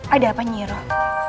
ada apa nyiroh